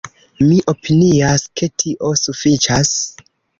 Mi opinias, ke tio sufiĉas!